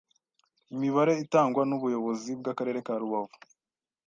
Imibare itangwa n’ubuyobozi bw’akarere ka Rubavu